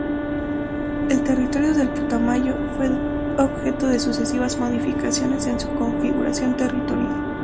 El territorio del Putumayo fue objeto de sucesivas modificaciones en su configuración territorial.